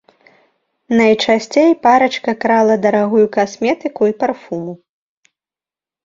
Найчасцей парачка крала дарагую касметыку і парфуму.